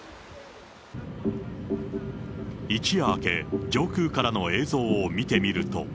一夜明け、上空からの映像を見てみると。